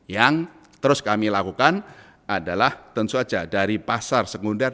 yang terus kami lakukan adalah tentu saja dari pasar sekunder